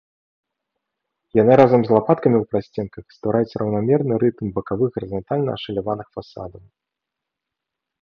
Яны разам з лапаткамі ў прасценках ствараюць раўнамерны рытм бакавых гарызантальна ашаляваных фасадаў.